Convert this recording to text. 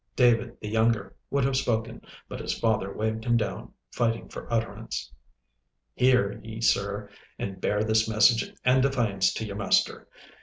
David the younger would have spoken, but his father waved him down, fighting for utterance. 'Hear ye, sir, and bear this message and defiance to your master.